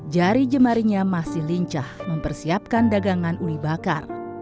jari jemarinya masih lincah mempersiapkan dagangan uli bakar